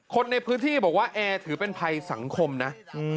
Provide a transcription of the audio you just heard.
คนในพื้นที่บอกว่าแอร์ถือเป็นภัยสังคมนะ